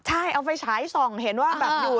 ใช่เอาไฟฉายส่องเห็นว่าแบบอยู่